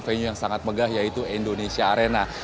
venue yang sangat megah yaitu indonesia arena